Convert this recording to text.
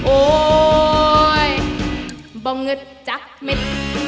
โอ๊ยบ่เงินจากเม็ด